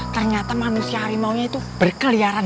ternyata manusia harimau nya itu berkeliaran